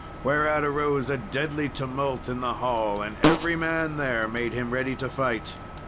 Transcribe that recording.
Whereat arose a deadly tumult in the hall, and every man there made him ready to fight.